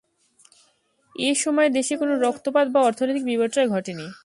এসময় দেশে কোন রক্তপাত বা অর্থনৈতিক বিপর্যয় ঘটেনি।